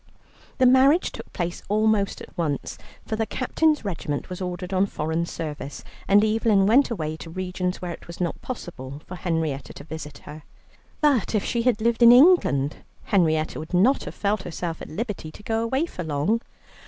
The marriage took place almost at once, for the Captain's regiment was ordered on foreign service, and Evelyn went away to regions where it was not possible for Henrietta to visit her. But if she had lived in England, Henrietta would not have felt herself at liberty to go away for long.